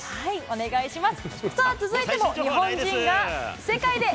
お願いします。